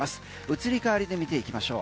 移り変わりで見ていきましょう。